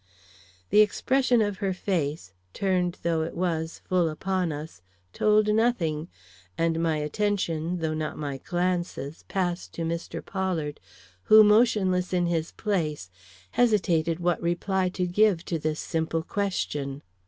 The expression of her face, turned though It was full upon us, told nothing, and my attention, though not my glances, passed to Mr. Pollard, who, motionless in his place, hesitated what reply to give to this simple question.